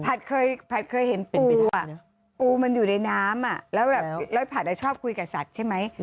ผัดเคยเห็นปูอ่ะปูมันอยู่ในน้ำอ่ะแล้วแบบร้อยผัดอ่ะชอบคุยกับสัตว์ใช่ไหม